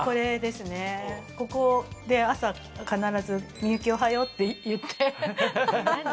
ここで朝必ず、幸、おはようって言って。